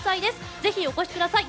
ぜひお越しください。